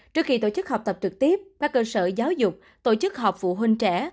trước khi tổ chức học tập trực tiếp các cơ sở giáo dục tổ chức họp phụ huynh trẻ